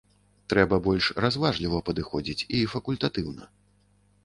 Трэба больш разважліва падыходзіць і факультатыўна.